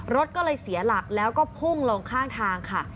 รถก็เลยเสียหลักแล้วก็พุ่งลงข้างทางค่ะ